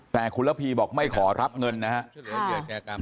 แต่คุณระพีบอกไม่ขอรับเงินนะฮะ